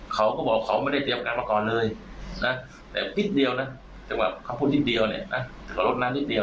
เขาพูดนิดเดียวถึงเขารถน้ำนิดเดียว